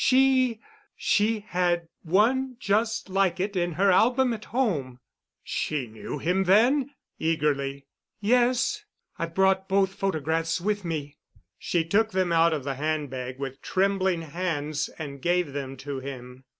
She—she had one just like it in her album at home——" "She knew him, then?" eagerly. "Yes. I've brought both photographs with me." She took them out of the handbag with trembling hands and gave them to him.